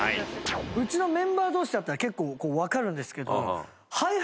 うちのメンバー同士だったら結構こうわかるんですけどええ。